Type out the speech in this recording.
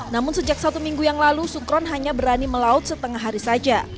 namun sejak satu minggu yang lalu sukron hanya berani melaut setengah hari saja